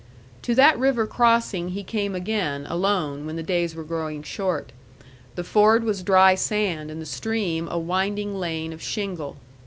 To that river crossing he came again, alone, when the days were growing short. The ford was dry sand, and the stream a winding lane of shingle.